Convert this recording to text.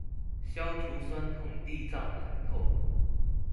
消除痠痛地藏饅頭